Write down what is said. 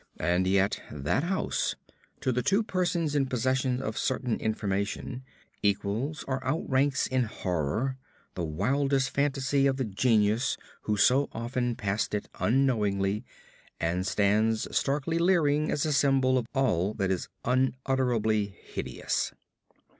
And yet that house, to the two persons in possession of certain information, equals or outranks in horror the wildest fantasy of the genius who so often passed it unknowingly, and stands starkly leering as a symbol of all that is unutterably hideous.